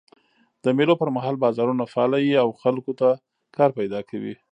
د مېلو پر مهال بازارونه فعاله يي او خلکو ته کار پیدا کېږي.